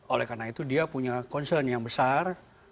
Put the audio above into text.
oleh karena itu dia punya concern yang besar